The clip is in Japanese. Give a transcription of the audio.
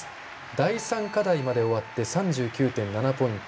第３課題まで終わって３９．７ポイント